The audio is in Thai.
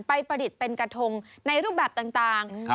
ไปผลิตเป็นกระทงในรูปแบบต่างต่างครับ